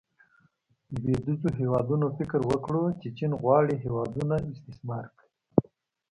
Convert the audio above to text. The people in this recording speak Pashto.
لویدیځو هیوادونو فکر وکړو چې چین غواړي هیوادونه استثمار کړي.